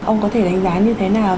ông có thể đánh giá như thế nào